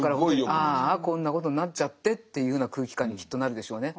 ああこんなことになっちゃってっていうふうな空気感にきっとなるでしょうね。